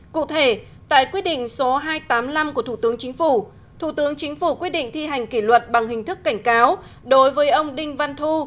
cụ thể tại quyết định số hai trăm tám mươi năm của thủ tướng chính phủ thủ tướng chính phủ quyết định thi hành kỷ luật bằng hình thức cảnh cáo đối với ông đinh văn thu